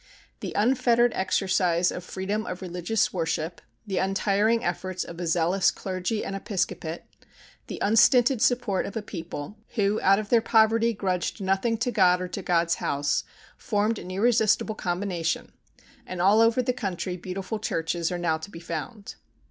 The unfettered exercise of freedom of religious worship, the untiring efforts of a zealous clergy and episcopate, the unstinted support of a people, who out of their poverty grudged nothing to God or to God's house, formed an irresistible combination, and all over the country beautiful churches are now to be found.